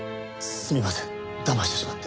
すみませんだましてしまって。